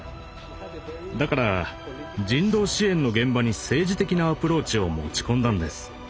だから人道支援の現場に政治的なアプローチを持ち込んだんです。